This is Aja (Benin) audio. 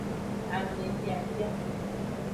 Amediadia.